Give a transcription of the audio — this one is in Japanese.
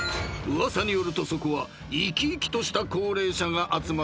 ［噂によるとそこは生き生きとした高齢者が集まる場所で］